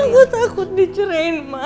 aku takut dicerain ma